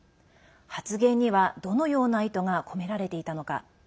発言には、どのような意図が込められていたのか。